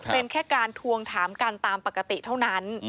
เป็นแค่การทวงถามกันตามปกติเท่านั้น